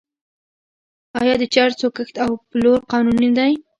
آیا د چرسو کښت او پلور قانوني نه دی؟